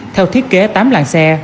theo thiết kế tám làng xe